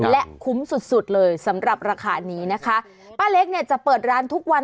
และคุ้มสุดสุดเลยสำหรับราคานี้นะคะป้าเล็กเนี่ยจะเปิดร้านทุกวัน